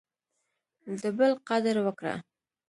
د بل قدر وکړه.